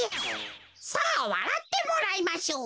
さあわらってもらいましょう。